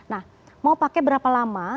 nah mau pakai berapa lama